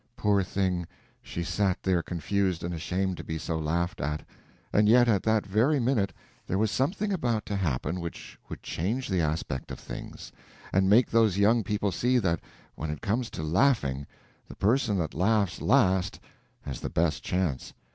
Poor thing, she sat there confused and ashamed to be so laughed at; and yet at that very minute there was something about to happen which would change the aspect of things, and make those young people see that when it comes to laughing, the person that laughs last has the best chance.